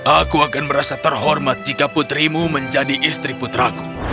aku akan merasa terhormat jika putrimu menjadi istri putraku